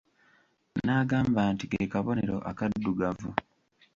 N'agamba nti Ke kabonero akaddugavu!